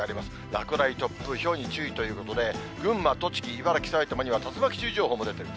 落雷、突風、ひょうに注意ということで、群馬、栃木、茨城、埼玉には竜巻注意報も出ている。